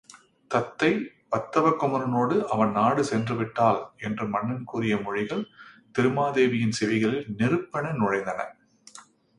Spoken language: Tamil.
தத்தை வத்தவ குமரனொடு அவன் நாடு சென்றுவிட்டாள் என்று மன்னன் கூறிய மொழிகள் திருமாதேவியின் செவிகளிலே நெருப்பென நுழைந்தன.